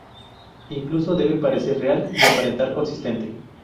Incluso debe parecer real y aparentar consistente.